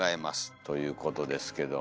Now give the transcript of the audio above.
ということですけども。